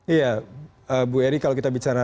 iya bu eri kalau kita bicara